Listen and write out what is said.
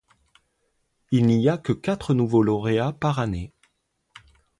Il n'y a que quatre nouveaux lauréats par année.